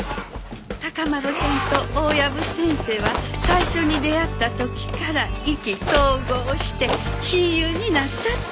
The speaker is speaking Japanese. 孝麿ちゃんと大藪先生は最初に出会った時から意気投合して親友になったって。